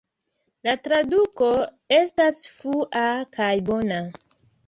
La traduko estas flua kaj bona.